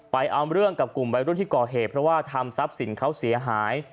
เอาเรื่องกับกลุ่มวัยรุ่นที่ก่อเหตุเพราะว่าทำทรัพย์สินเขาเสียหาย